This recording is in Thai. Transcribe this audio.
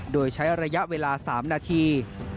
โดยใช้ระยะเวลา๓นาที